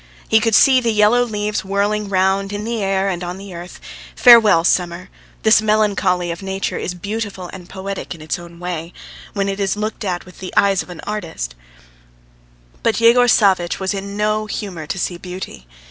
He could see the yellow leaves whirling round in the air and on the earth. Farewell, summer! This melancholy of nature is beautiful and poetical in its own way, when it is looked at with the eyes of an artist, but Yegor Savvitch was in no humour to see beauty.